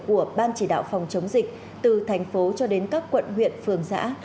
của ban chỉ đạo phòng chống dịch từ thành phố cho đến các quận huyện phường xã